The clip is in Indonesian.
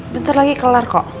bentar lagi kelar kok